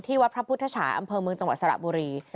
วัดพระพุทธฉาอำเภอเมืองจังหวัดสระบุรี